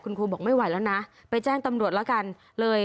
คุณครูบอกไม่ไหวแล้วนะไปแจ้งตำรวจแล้วกันเลย